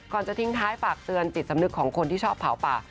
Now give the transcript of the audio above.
จะทิ้งท้ายฝากเตือนจิตสำนึกของคนที่ชอบเผาป่า